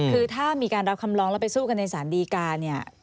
คือถ้ามีการรับคำร้องแล้วไปสู้กันในสารดีการเนี่ย